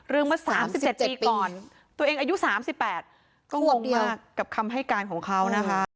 เมื่อ๓๗ปีก่อนตัวเองอายุ๓๘ก็งงมากกับคำให้การของเขานะคะ